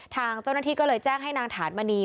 ทางเจ้าหน้าที่ก็เลยแจ้งให้นางฐานมณี